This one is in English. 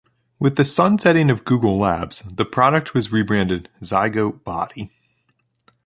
With the sun-setting of Google Labs, the product was re-branded Zygote Body.